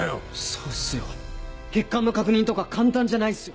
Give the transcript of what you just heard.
そうっすよ血管の確認とか簡単じゃないっすよ。